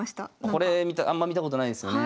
これあんま見たことないですよね。